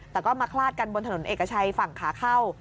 แต่ก็มาคลาดกันบนถนนเอกชัยฝั่งขาเข้า